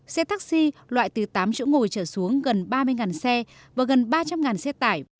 xe taxi loại từ tám chỗ ngồi trở xuống gần ba mươi xe và gần ba trăm linh xe tải